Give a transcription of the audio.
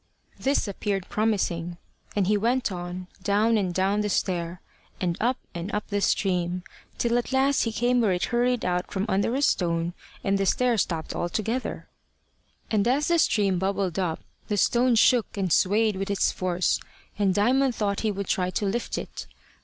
This appeared promising; and he went on, down and down the stair, and up and up the stream, till at last he came where it hurried out from under a stone, and the stair stopped altogether. And as the stream bubbled up, the stone shook and swayed with its force; and Diamond thought he would try to lift it.